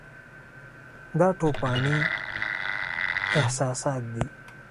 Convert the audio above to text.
دا توپاني احساسات دي.